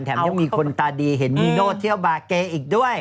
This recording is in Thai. ยังมีคนตาดีเห็นมีโน่เที่ยวบาเกย์อีกด้วย